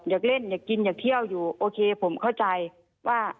อยากเล่นอยากกินอยากเที่ยวอยู่โอเคผมเข้าใจว่า